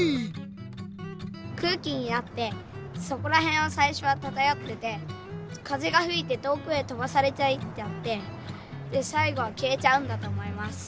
くうきになってそこらへんをさいしょはただよっててかぜがふいてとおくへとばされていっちゃってさいごはきえちゃうんだとおもいます。